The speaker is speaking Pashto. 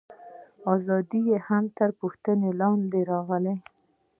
ازادي یې هم تر پوښتنې لاندې راغله.